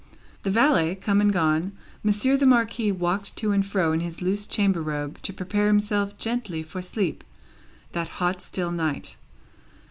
The valet come and gone, Monsieur the Marquis walked to and fro in his loose chamber robe, to prepare himself gently for sleep, that hot still night.